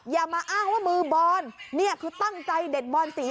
อย่ามาอ้างว่ามือบอลนี่คือตั้งใจเด็ดบอนสี